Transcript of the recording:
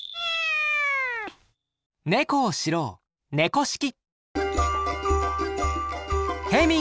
ネコを知ろう「猫識」。